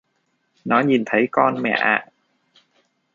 Nó nhìn thấy con mẹ ạ